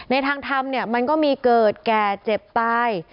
ในทางทำเนี่ยมันก็มีเกิดแก่เจ็บตาย